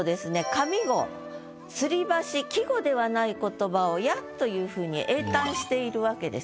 上五吊り橋季語ではない言葉を「や」というふうに詠嘆しているわけです。